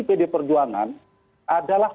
pd perjuangan adalah